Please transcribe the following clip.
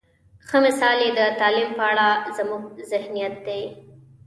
ښه مثال یې د تعلیم په اړه زموږ ذهنیت دی.